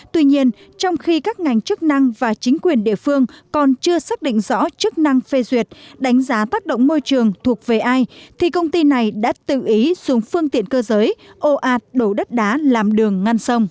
tuy nhiên trong khi các ngành chức năng và chính quyền địa phương còn chưa xác định rõ chức năng phê duyệt đánh giá tác động môi trường thuộc về ai thì công ty này đã tự ý dùng phương tiện cơ giới ồ ạt đổ đất đá làm đường ngăn sông